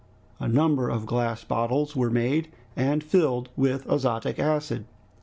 A number of glass bottles were made and filled with azotic acid.